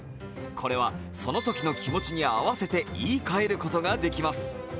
これは、そのときの気持ちに合わせて言い換えることができます。